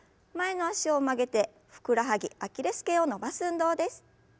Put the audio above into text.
前の脚を曲げてふくらはぎアキレス腱を伸ばす運動です。